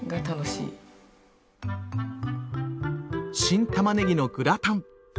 新たまねぎのグラタン。